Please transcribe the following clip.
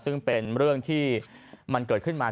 ซึ่งเป็นเรื่องที่มันเกิดขึ้นมา